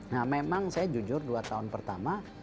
nah memang saya jujur dua tahun pertama